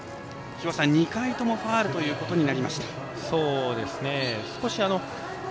２回ともファウルということになりました。